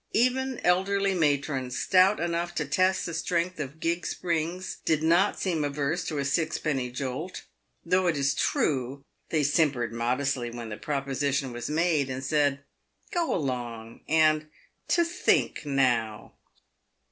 Even elderly matrons, stout enough to test the strength of gig springs, did not seem averse to a sixpenny jolt, though, it is true, they simpered modestly when the proposition was made, and said, " Go along I" and " To think, now